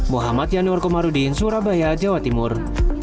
muhammad yanuar komarudin surabaya jawa timur